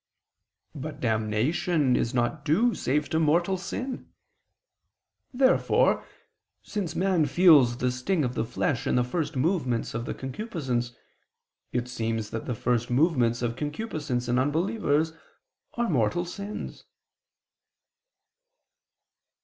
But damnation is not due save to mortal sin. Therefore, since man feels the sting of the flesh in the first movements of the concupiscence, it seems that the first movements of concupiscence in unbelievers are mortal sins.